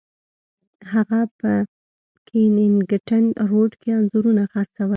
هغه په کینینګټن روډ کې انځورونه خرڅول.